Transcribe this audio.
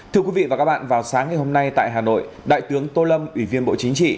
thưa quý vị và các bạn vào sáng ngày hôm nay tại hà nội đại tướng tô lâm ủy viên bộ chính trị